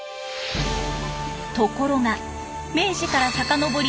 ところが明治から遡り